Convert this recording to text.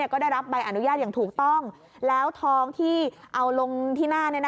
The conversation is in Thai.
ก็ได้รับใบอนุญาตอย่างถูกต้องแล้วทองที่เอาลงที่หน้า